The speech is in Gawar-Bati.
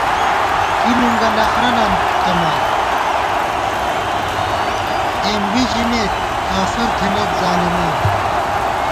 کی نُنگہ نخرہ نام تمان، اېم وی ژِمېت کافر تھنَئیت ظالِمان